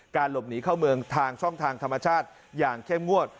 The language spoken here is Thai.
หลบหนีเข้าเมืองทางช่องทางธรรมชาติอย่างเข้มงวด